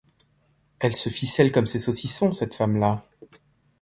Elle se ficelle comme ses saucissons, cette femme-là...